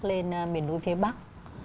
lên miền núi phía bắc